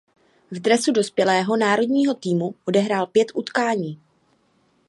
V dresu dospělého národního týmu odehrál pět utkání.